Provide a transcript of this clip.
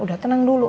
udah tenang dulu